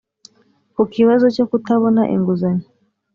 Ku kibazo cyo kutabona inguzanyo